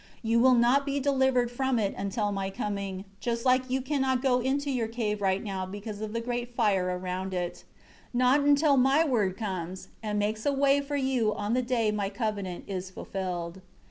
You will not be delivered from it until My coming; just like you cannot go into your cave right now because of the great fire around it; not until My Word comes and makes a way for you on the day My covenant is fulfilled.